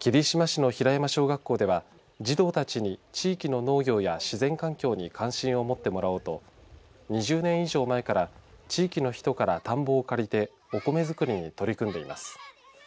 霧島市の平山小学校では、児童たちに地域の農業や自然環境に関心を持ってもらおうと２０年以上前から地域の人から田んぼを借りてお米作りに取り組んでいます。